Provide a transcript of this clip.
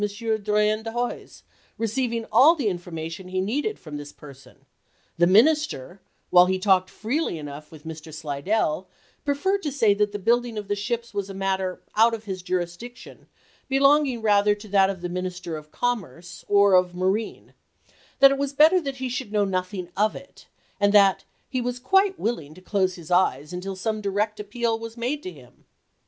Drouyn de I'Huys, receiving all the information he needed from this person ; the Minister, while he talked freely enough with Mr. Slidell, preferred to say that the building of the ships was a matter out of his jurisdiction, belonging rather to that of the Minis ter of Commerce, or of Marine; that it was better that he should know nothing of it; and that "he was quite willing to close his eyes until some direct appeal was made to him."